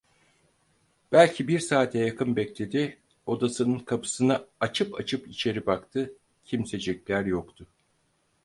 Belki bir saate yakın bekledi, odasının kapısını açıp açıp içeri baktı, kimsecikler yoktu.